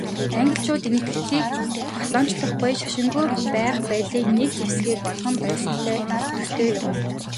Англичууд Энэтхэгийг колоничлохгүй, шашингүй байх байдлыг нэг зэвсгээ болгож байсантай төстэй юм.